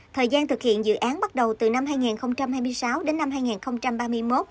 thời gian thực hiện dự án bắt đầu từ năm hai nghìn hai mươi sáu đến năm hai nghìn ba mươi một